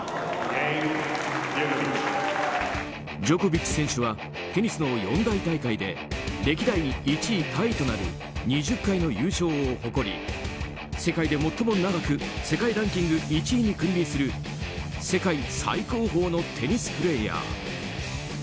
ジョコビッチ選手はテニスの四大大会で歴代１位タイとなる２０回の優勝を誇り世界で最も長く世界ランキング１位に君臨する世界最高峰のテニスプレーヤー。